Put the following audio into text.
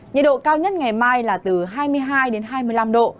nhiệt độ cao nhất ngày mai là từ hai mươi hai đến hai mươi năm độ